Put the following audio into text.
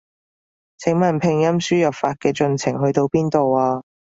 請問拼音輸入法嘅進程去到邊度啊？